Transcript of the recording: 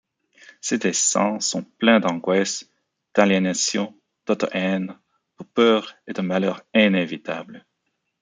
Ses dessins sont pleins d'angoisse, d'aliénation, d'auto-haine, de peur et de malheur inévitable.